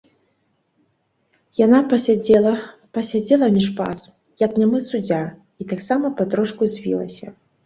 Яна пасядзела, пасядзела між пас, як нямы суддзя, і таксама патрошку звілася.